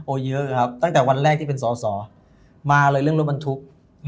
เยอะครับตั้งแต่วันแรกที่เป็นสอสอมาเลยเรื่องรถบรรทุก